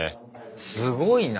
すごいな。